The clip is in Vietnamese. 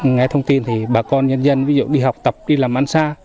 nghe thông tin thì bà con dân dân đi học tập đi làm ăn xa